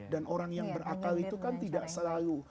dan orang yang berakal itu kan tidak selalu